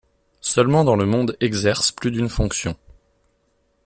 Seulement dans le monde exercent plus d'une fonction.